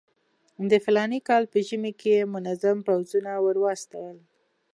د فلاني کال په ژمي کې یې منظم پوځونه ورواستول.